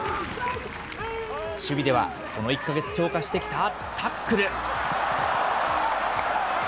守備ではこの１か月強化してきたタックル。